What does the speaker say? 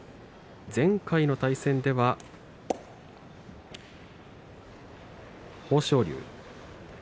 前回の対戦では豊昇龍。